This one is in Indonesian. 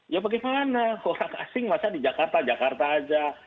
ya bagaimana orang asing masa di jakarta jakarta aja